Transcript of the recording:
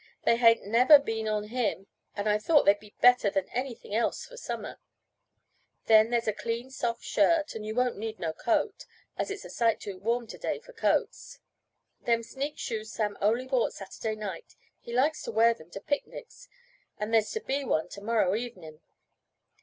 They hain't never been on him, and I thought they'd be better than anything else for summer. Then there's a clean soft shirt, and you won't need no coat, as it's a sight too warm to day for coats. Them sneak shoes Sam only bought Saturday night. He likes to wear them to picnics, and there's to be one to morrow evenin'."